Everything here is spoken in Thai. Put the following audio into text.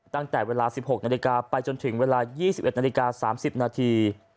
ตั้งแต่เวลา๑๖นาฬิกาไปจนถึงเวลา๒๑นาฬิกา๓๐นาที